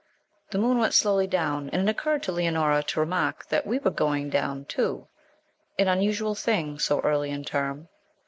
The moon went slowly down, and it occurred to Leonora to remark that we were 'going down' too, an unusual thing so early in term.